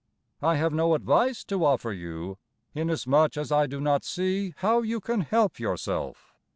I have no advice to offer you, Inasmuch As I do not see how you can help yourself.